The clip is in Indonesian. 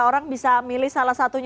orang bisa milih salah satunya